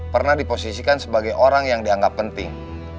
pernah diposisikan sebagai orang yang dianggap penting